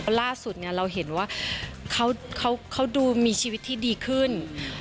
เพราะล่าสุดเนี่ยเราเห็นว่าเขาดูมีชีวิตที่ดีขึ้น